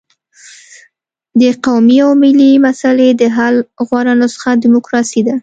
د قومي او ملي مسلې د حل غوره نسخه ډیموکراسي ده.